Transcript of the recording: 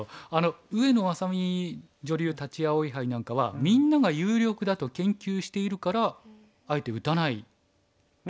上野愛咲美女流立葵杯なんかはみんなが有力だと研究しているからあえて打たないとのこと。